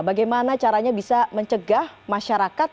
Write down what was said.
bagaimana caranya bisa mencegah masyarakat